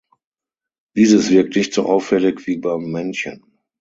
Dieses wirkt nicht so auffällig wie beim Männchen.